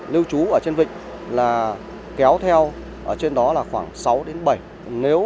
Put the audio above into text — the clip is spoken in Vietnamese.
lưu trú ở trên vịnh là kéo theo ở trên đó là khoảng sáu đến bảy